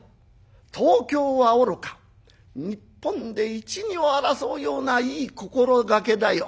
東京はおろか日本で一二を争うようないい心立てだよ。